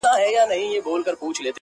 انسانان لا هم زده کوي تل,